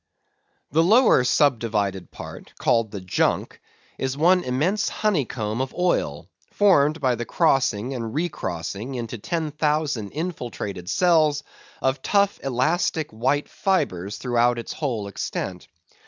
The lower subdivided part, called the junk, is one immense honeycomb of oil, formed by the crossing and recrossing, into ten thousand infiltrated cells, of tough elastic white fibres throughout its whole extent.